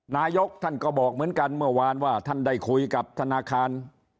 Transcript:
นายกท่านก็บอกเหมือนกันเมื่อวานว่าท่านได้คุยกับธนาคาร